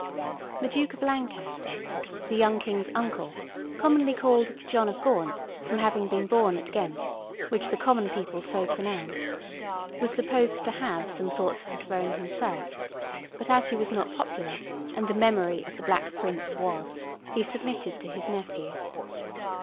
The Duke of Lancaster, the young King's uncle—commonly called John of Gaunt, from having been born at Ghent, which the common people so pronounced—was supposed to have some thoughts of the throne himself; but, as he was not popular, and the memory of the Black Prince was, he submitted to his nephew.